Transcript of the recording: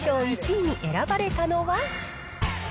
１位に選ばれたのは？